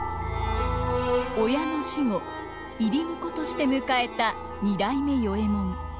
親の死後入り婿として迎えた二代目与右衛門。